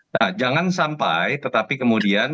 nah jangan sampai tetapi kemudian